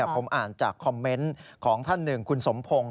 ผมอ่านจากคอมเมนต์ของท่านหนึ่งคุณสมพงศ์